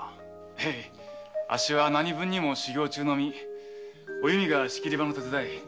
あっしは何分にも修行中お弓は仕切り場の手伝い。